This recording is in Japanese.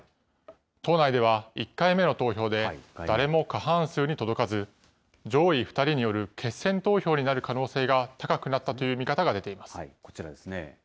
党内では１回目の投票で、誰も過半数に届かず、上位２人による決選投票になる可能性が高くなったという見方が出こちらですね。